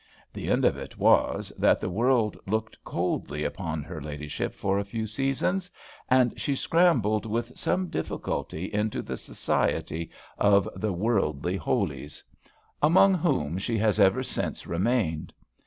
The end of it was, that the world looked coldly upon her ladyship for a few seasons, and she scrambled with some difficulty into the society of the "worldly holies," among whom she has ever since remained.